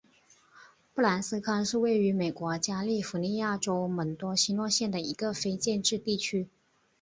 布兰斯康是位于美国加利福尼亚州门多西诺县的一个非建制地区。